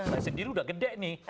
saya sendiri udah gede nih